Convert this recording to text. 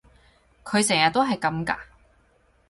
佢成日都係噉㗎？